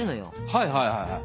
はいはいはいはい。